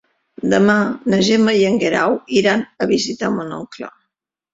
Demà na Gemma i en Guerau iran a visitar mon oncle.